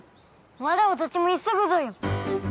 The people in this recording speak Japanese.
わらわたちも急ぐぞよ！